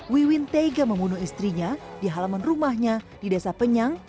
wiwin tega membunuh istrinya di halaman rumahnya di desa penyang